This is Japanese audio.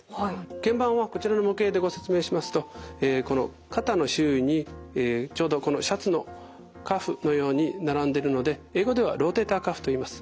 けん板はこちらの模型でご説明しますとえこの肩の周囲にちょうどこのシャツのカフのように並んでるので英語ではローテーターカフといいます。